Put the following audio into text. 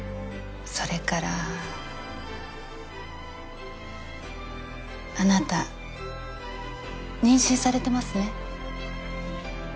それからあなた妊娠されてますね。